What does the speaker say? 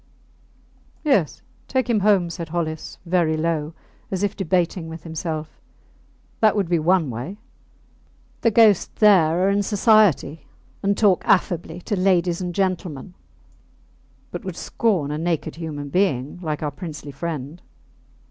Yes, take him home, said Hollis, very low, as if debating with himself. That would be one way. The ghosts there are in society, and talk affably to ladies and gentlemen, but would scorn a naked human being like our princely friend.